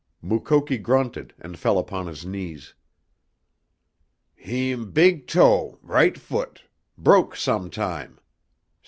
Mukoki grunted and fell upon his knees. "Heem big toe right foot broke sometime.